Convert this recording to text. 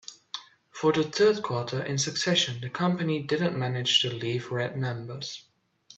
For the third quarter in succession, the company didn't manage to leave red numbers.